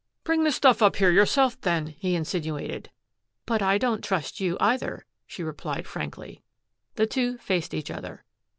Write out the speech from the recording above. "Bring the stuff up here yourself, then," he insinuated. "But I don't trust you, either," she replied frankly. The two faced each other.